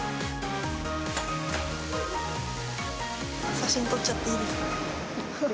写真撮っちゃっていいですか。